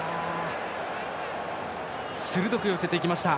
鋭く寄せてきました。